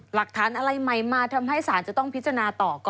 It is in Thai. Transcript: หลักฐานอะไรใหม่มาทำให้ศาลจะต้องพิจารณาต่อก่อน